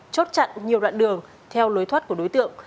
chốt chặn nhiều đoạn đường theo lối thoát của đối tượng